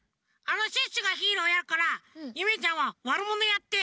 シュッシュがヒーローやるからゆめちゃんはワルモノやって。